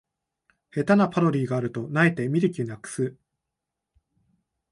下手なパロディがあると萎えて見る気なくす